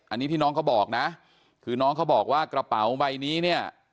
อันนี้ที่น้องเขาบอกนะคือน้องเขาบอกว่ากระเป๋าใบนี้เนี่ย